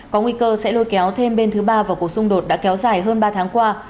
có nguy cơ sẽ lôi kéo thêm bên thứ ba vào cuộc xung đột đã kéo dài hơn ba tháng qua